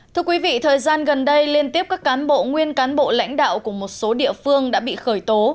thưa quý vị thời gian gần đây liên tiếp các cán bộ nguyên cán bộ lãnh đạo của một số địa phương đã bị khởi tố